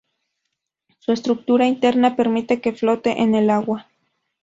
Su estructura interna permite que flote en el agua.